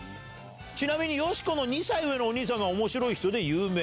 ちなみによしこの２歳上のお兄さんもおもしろい人で有名。